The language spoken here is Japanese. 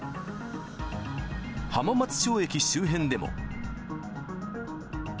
浜松町駅周辺でも。